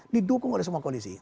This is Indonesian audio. didukung oleh semua koalisi